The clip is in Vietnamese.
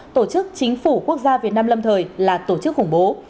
tổ chức chính phủ quốc gia việt nam lâm thời là tổ chức khủng bố